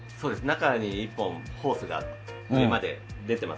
中に１本ホースが上まで出てますので。